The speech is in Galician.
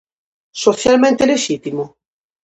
Socialmente lexítimo?